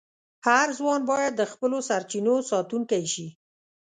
هر ځوان باید د خپلو سرچینو ساتونکی شي.